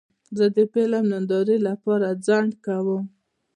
زه د فلم نندارې لپاره ځنډ کوم.